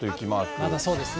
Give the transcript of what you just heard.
まだそうですね。